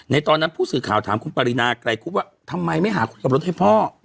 ตอนนั้นผู้สื่อข่าวถามคุณปรินาไกลคุบว่าทำไมไม่หาคนขับรถให้พ่อ